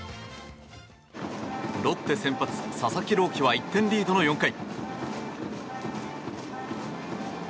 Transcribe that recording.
ロッテ先発、佐々木朗希は１点リードの４回。